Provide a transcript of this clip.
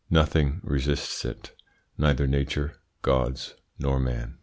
Nothing resists it; neither nature, gods, nor man.